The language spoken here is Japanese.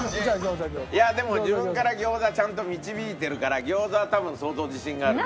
自分から餃子ちゃんと導いてるから餃子は多分相当自信があるんだろうな。